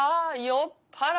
酔っぱらっ